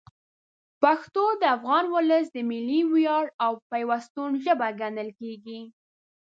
پښتو د افغان ولس د ملي ویاړ او پیوستون ژبه ګڼل کېږي.